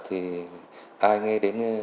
thì ai nghe đến